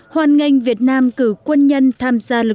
hoàn ngành việt nam cử quân nhân tham gia lực lượng